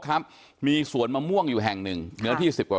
ครับมีสวนมะม่วงอยู่แห่งหนึ่งเนื้อที่สิบกว่า